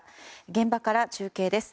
現場から中継です。